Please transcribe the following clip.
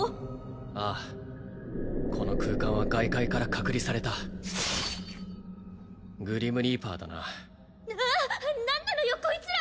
ああこの空間は外界から隔離されたグリムリーパーだな何なのよこいつら！